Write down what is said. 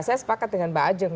saya sepakat dengan mbak ajeng